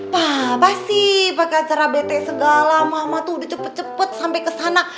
papa sih pakai acara bete segala mama tuh udah cepet cepet sampe kesana